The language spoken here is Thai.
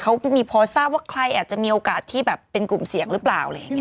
เขามีพอทราบว่าใครอาจจะมีโอกาสที่แบบเป็นกลุ่มเสี่ยงหรือเปล่าอะไรอย่างนี้